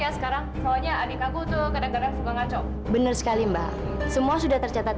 sampai jumpa di video selanjutnya